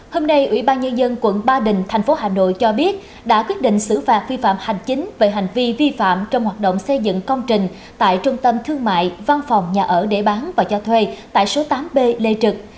hôm nay ủy ban nhân dân quận ba đình thành phố hà nội cho biết đã quyết định xử phạt vi phạm hành chính về hành vi vi phạm trong hoạt động xây dựng công trình tại trung tâm thương mại văn phòng nhà ở để bán và cho thuê tại số tám b lê trực